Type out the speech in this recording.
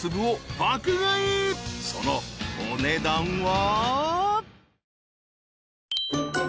［そのお値段は］